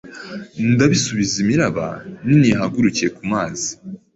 Ndabisubiza Imiraba niniyahagurukiye kumazi